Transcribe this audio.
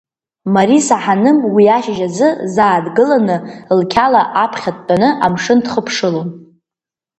Мариса Ҳаным уи ашьыжь азы заа дгыланы лқьала аԥхьа дтәаны амшын дхыԥшылон.